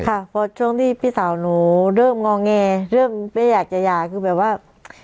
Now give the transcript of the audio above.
ค่ะเพราะช่วงที่พี่สาวหนูเริ่มงอแงเริ่มไม่อยากจะหย่าคือแบบว่า